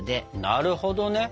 なるほどね。